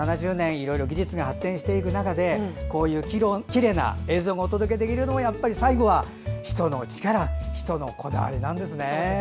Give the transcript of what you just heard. いろいろ技術が発展している中でこういうきれいな映像をお届けできるのはやっぱり最後は人の力、人のこだわりなんですね。